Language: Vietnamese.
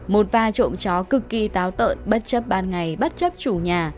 một va trộm chó cực kỳ táo tợn bất chấp ban ngày bất chấp chủ nhà